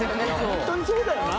ホントにそうだよな